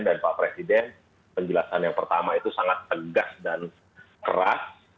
pak presiden penjelasan yang pertama itu sangat tegas dan keras